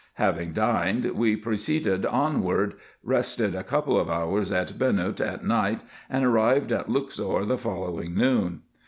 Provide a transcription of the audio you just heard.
Having dined, we proceeded onward, rested a couple of hours at Benut at night, and arrived at Luxor the following noon.